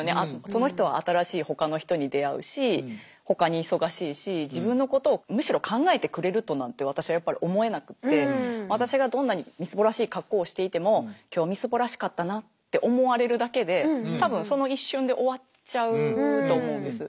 その人は新しいほかの人に出会うしほかに忙しいし自分のことをむしろ考えてくれるとなんて私やっぱり思えなくって私がどんなにみすぼらしい格好をしていても今日みすぼらしかったなって思われるだけで多分その一瞬で終わっちゃうと思うんです。